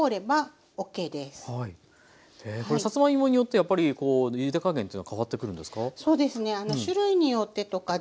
えこれさつまいもによってやっぱりゆで加減というのはかわってくるんですか？